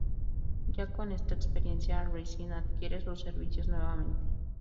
Ya con esta experiencia Racing adquiere sus servicios nuevamente.